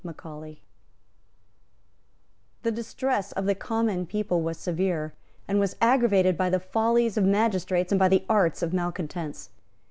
The distress of the common people was severe, and was aggravated by the follies of magistrates and by the arts of malecontents.